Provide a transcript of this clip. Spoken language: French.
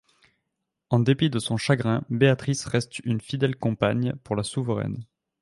En dépit de son chagrin, Béatrice reste une fidèle compagne pour la souveraine.